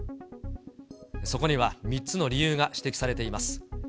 そこには３つの理由が指摘されています。